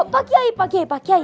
pak kiai pak kiai pak kiai